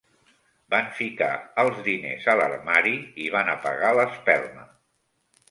Van ficar els diners a l'armari i van apagar l'espelma.